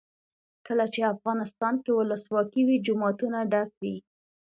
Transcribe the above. کله چې افغانستان کې ولسواکي وي جوماتونه ډک وي.